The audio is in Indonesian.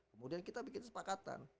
kemudian kita bikin sepakatan